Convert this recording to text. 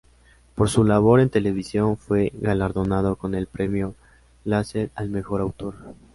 Por su labor en televisión fue galardonado con el premio "Lasalle" al mejor autor.